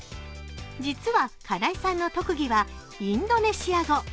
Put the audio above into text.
実は、金井さんの特技はインドネシア語。